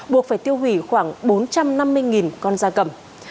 buộc phải tiêu hủy khoảng bốn trăm năm mươi con da cầm